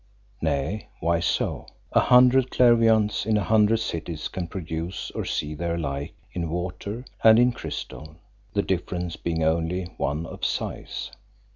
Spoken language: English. Nay, why so? A hundred clairvoyants in a hundred cities can produce or see their like in water and in crystal, the difference being only one of size.